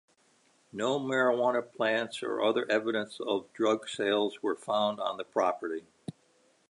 No marijuana plants or other evidence of drug sales were found on the property.